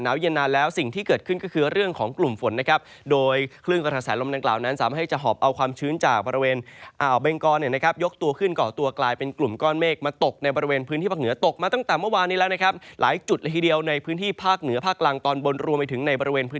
เย็นนานแล้วสิ่งที่เกิดขึ้นก็คือเรื่องของกลุ่มฝนนะครับโดยคลื่นกระแสลมดังกล่าวนั้นสามารถให้จะหอบเอาความชื้นจากบริเวณอ่าวเบงกรเนี่ยนะครับยกตัวขึ้นก่อตัวกลายเป็นกลุ่มก้อนเมฆมาตกในบริเวณพื้นที่ภาคเหนือตกมาตั้งแต่เมื่อวานนี้แล้วนะครับหลายจุดละทีเดียวในพื้นที่ภาคเหนือภาคกลางตอนบนรวมไปถึงในบริเวณพื